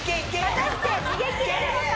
果たして逃げきれるのか？